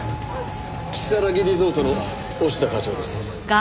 如月リゾートの押田課長です。